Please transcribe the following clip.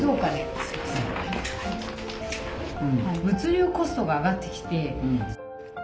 物流コストが上がってきて。